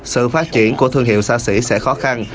sự phát triển của thương hiệu xa xỉ sẽ khó khăn